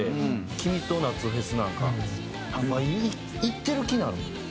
『君と夏フェス』なんか行ってる気になるもん。